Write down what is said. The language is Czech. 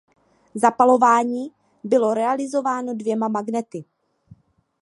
Zapalování bylo realizováno dvěma magnety.